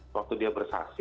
waktu dia bersaksi